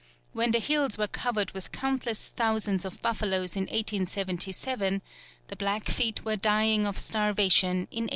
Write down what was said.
When the hills were covered with countless thousands [of buffaloes] in 1877, the Blackfeet were dying of starvation in 1879."